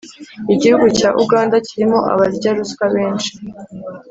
Igihugu cya Uganda kirimo abarya ruswa benshi